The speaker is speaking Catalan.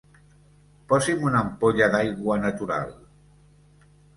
Posi'm una ampolla d'aigua natural.